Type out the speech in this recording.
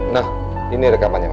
nah ini rekapannya pak